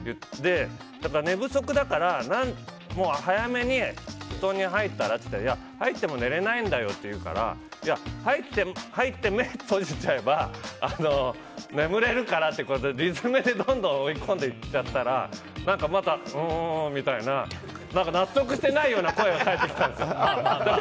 だから、寝不足だから早めに布団に入ったら？って言ったらいや、入っても寝れないんだよって言うから入って、目閉じちゃえば眠れるからってことを理詰めで、どんどん追い込んでいっちゃったら何か、また、うーんみたいな納得してないような声が返ってきたんです。